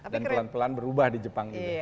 dan pelan pelan berubah di jepang